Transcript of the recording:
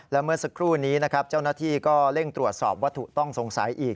และเมื่อสักครู่นี้นะครับเจ้าหน้าที่ก็เร่งตรวจสอบวัตถุต้องสงสัยอีก